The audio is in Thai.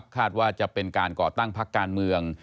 ว่าจะเป็นการก่อตั้งพักการเมือง